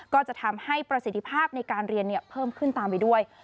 ก็จะทำให้ประสิทธิภาพในการเรียนเพิ่มขึ้นตามไปด้วย